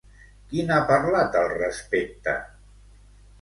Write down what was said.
Qui n'ha parlat al respecte?